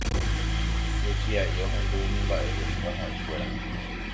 Luchia'i ohendu umi mba'e he'íva ha'ekuéra